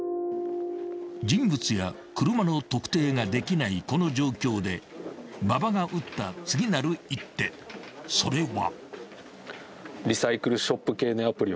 ［人物や車の特定ができないこの状況で馬場が打った次なる一手それは］